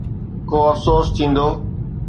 ڪو افسوس ٿيندو؟